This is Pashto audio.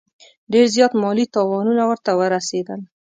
ډېر زیات مالي تاوانونه ورته ورسېدل.